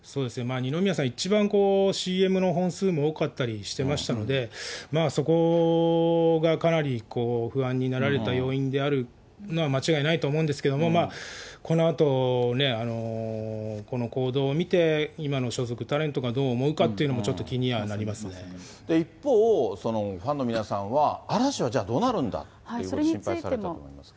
二宮さん、一番、ＣＭの本数も多かったりしてましたので、そこがかなり不安になられた要因であるのは間違いないと思うんですけども、このあとね、この行動を見て、今の所属タレントがどう思うかっていうのもちょっと気にはなりま一方、そのファンの皆さんは、嵐はじゃあ、どうなるんだと心配されてると思うんですが。